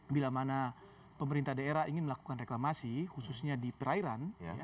bila mana pemerintah daerah ingin melakukan reklamasi khususnya di perairan